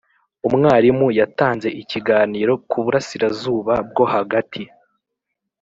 umwarimu yatanze ikiganiro ku burasirazuba bwo hagati.